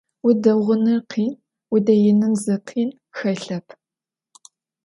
Vudeğunır khin, vudeinım zi khin xelhep.